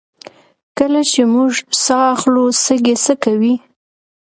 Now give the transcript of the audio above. کله چې موږ ساه اخلو سږي څه کوي